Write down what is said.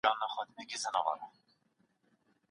که شاګرد غوسه سي، د لوړ ږغ سره به پاڼه ړنګه کړي.